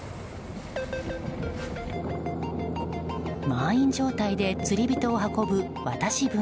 満員状態で釣り人を運ぶ渡し船。